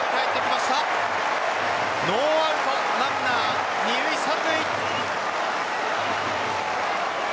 ノーアウトランナー二塁・三塁。